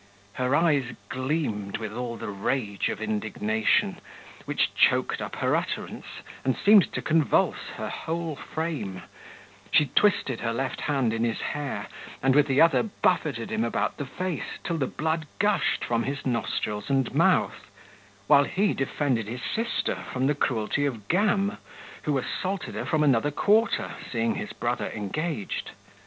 Her eyes gleamed with all the rage of indignation, which choked up her utterance, and seemed to convulse her whole frame: she twisted her left hand in his hair, and with the other buffeted him about the face till the blood gushed from his nostrils and mouth; while he defended his sister from the cruelty of Gam, who assaulted her from another quarter, seeing his brother engaged.